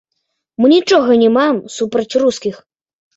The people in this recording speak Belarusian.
Мы нічога не маем супраць рускіх.